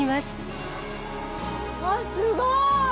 うわっすごい。